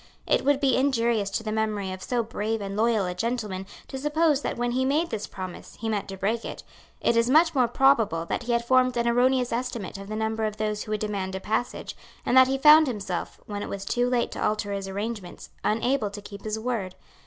It would be injurious to the memory of so brave and loyal a gentleman to suppose that when he made this promise he meant to break it. It is much more probable that he had formed an erroneous estimate of the number of those who would demand a passage, and that he found himself, when it was too late to alter his arrangements, unable to keep his word.